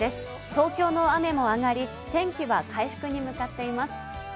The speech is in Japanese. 東京の雨も上がり、天気は回復に向かっています。